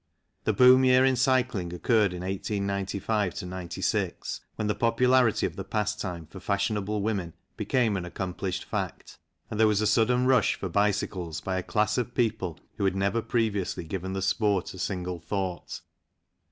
The boom year in cycling occurred in 1895 96, when the popularity of the pastime for fashionable women became an accomplished fact, and there was a sudden rush for bicycles by a class of people who had never previously given the sport a single thought.